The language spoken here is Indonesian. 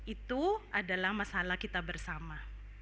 itu adalah masalah kita bersama